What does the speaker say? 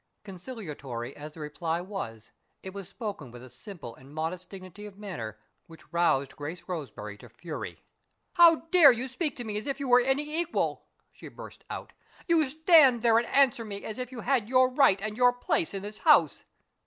Conciliatory as the reply was, it was spoken with a simple and modest dignity of manner which roused Grace Roseberry to fury. "How dare you speak to me as if you were any equal?" she burst out. "You stand there and answer me as if you had your right and your place in this house.